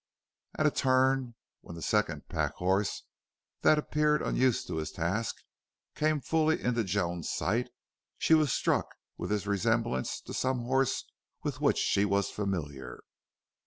At a turn, when the second pack horse, that appeared unused to his task, came fully into Joan's sight, she was struck with his resemblance to some horse with which she was familiar.